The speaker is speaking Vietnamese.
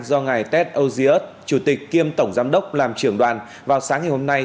do ngày tết ozs chủ tịch kiêm tổng giám đốc làm trưởng đoàn vào sáng ngày hôm nay